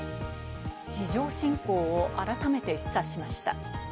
地上侵攻を改めて示唆しました。